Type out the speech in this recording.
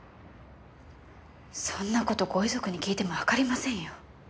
そんな事ご遺族に聞いてもわかりませんよ。